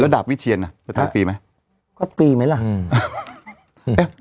ดาบวิเชียนน่ะจะถ่ายฟรีไหมก็ฟรีไหมล่ะอืม